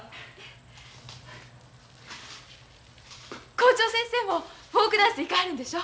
校長先生もフォークダンス行かはるんでしょ？